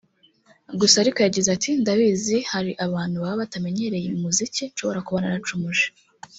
Gusa ariko yagize ati “Ndabiziko hari abantu baba batamenyereye umuziki nshobora kuba naracumuje